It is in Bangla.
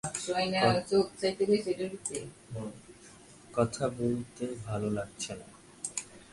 কথা বলতে ভালো লাগছে না।